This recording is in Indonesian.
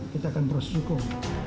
kita akan berusaha dukung